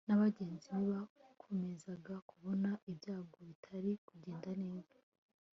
na bagenzi be bakomezaga kubona ibyabo bitari kugenda neza